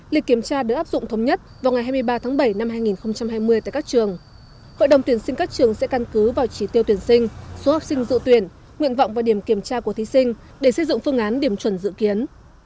lịch kiểm tra được áp dụng thống nhất vào ngày hai mươi ba tháng bảy năm hai nghìn hai mươi tại các trường hội đồng tuyển sinh các trường sẽ căn cứ vào chỉ tiêu tuyển sinh số học sinh dự tuyển nguyện vọng và điểm kiểm tra của thí sinh để xây dựng phương án điểm chuẩn dự kiến